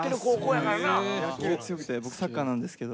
野球強くて僕サッカーなんですけど。